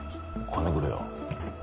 金くれよ。